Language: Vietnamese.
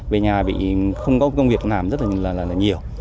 về nhà bị không có công việc làm rất là nhiều